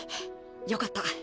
よかった。